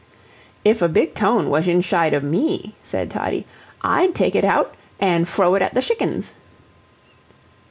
"If a big'tone wazh inshide of ME," said Toddie, "I'd take it out an' frow it at the shickens."